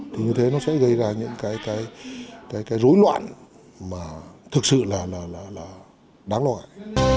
thì như thế nó sẽ gây ra những cái rối loạn mà thực sự là đáng loại